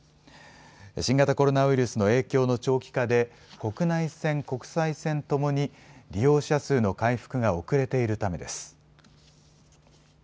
新型コロナウイルスの影響の長期化で国内線、国際線ともに利用者数の回復が遅れているためです。